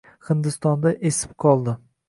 Hindistonda esib qoldi